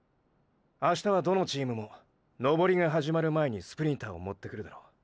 明日はどのチームも登りがはじまる前にスプリンターをもってくるだろう。